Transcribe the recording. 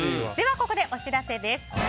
ではここでお知らせです。